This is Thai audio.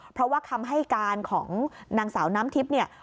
เพราะว่าคำให้การของหนังสาน้ำทิพย์